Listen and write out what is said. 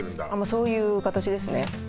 そういう形ですね